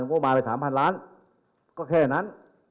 ก็มุมมาไป๓๐๐๐ล้านก็แค่นั้น